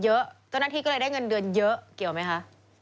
เจ้าหน้าที่ก็เลยได้เงินเดือนเยอะเกี่ยวไหมคะ